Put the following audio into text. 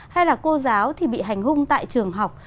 hay là cô giáo thì bị hành hung tại trường học